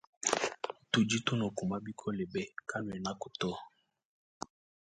Tudi tunukuma bikole be kanuenaku to.